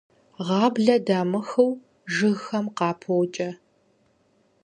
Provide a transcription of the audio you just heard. Гъабгъэ дамыхыу жыгхэм къапокӀэ.